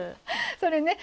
それね